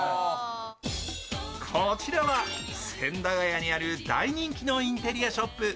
こちらは千駄ヶ谷にある大人気のインテリアショップ